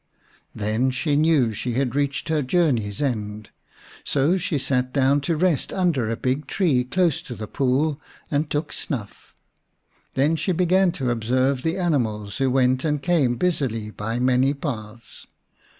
Then she knew she had reached her journey's end. So she sat down to rest under a big tree close to the pool, and took snuff. Then she began to observe the animals who went and came busily by many paths.